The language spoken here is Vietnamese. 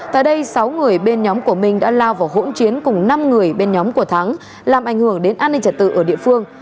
tại đây sáu người bên nhóm của minh đã lao vào hỗn chiến cùng năm người bên nhóm của thắng làm ảnh hưởng đến an ninh trật tự ở địa phương